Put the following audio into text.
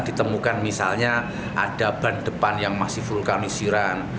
ditemukan misalnya ada ban depan yang masih vulkanisiran